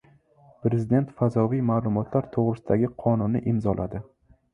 Prezident “Fazoviy ma’lumotlar to‘g‘risida”gi qonunni imzoladi